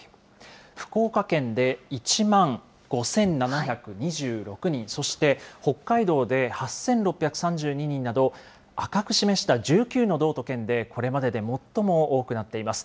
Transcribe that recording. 福岡県で１万５７２６人、そして北海道で８６３２人など、赤く示した１９の道と県で、これまでで最も多くなっています。